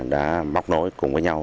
đã bóc nối cùng với nhau